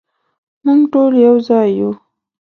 مونږ ټول یو ځای یو